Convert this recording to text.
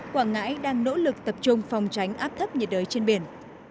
quảng ngãi đang nỗ lực tập trung phòng tránh áp thấp nhiệt đới trên biển